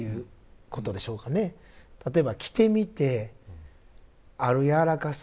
例えば着てみてある柔らかさ。